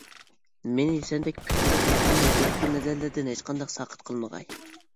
مېنى سەندەك پىكىرداش دوستۇمنىڭ ئۆتكۈر نەزەرلىرىدىن ھېچقاچان ساقىت قىلمىغاي!